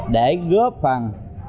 để góp phần